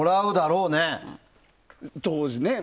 当時ね。